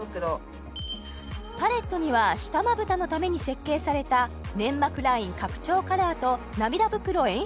パレットには下まぶたのために設計された粘膜ライン拡張カラーと涙袋演出